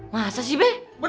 masa sih be